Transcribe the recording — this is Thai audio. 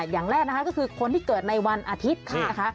อย่างแรกนะคะก็คือคนที่เกิดในวันอาทิตย์นะคะ